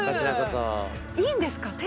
◆いいんですか？